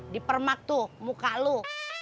di permak tuh muka lo